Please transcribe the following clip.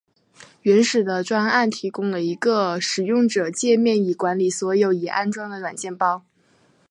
原始的专案提供了一个使用者介面以管理所有已安装的软体包。